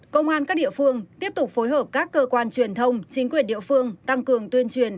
công an các địa phương tiếp tục phối hợp các cơ quan truyền thông chính quyền địa phương tăng cường tuyên truyền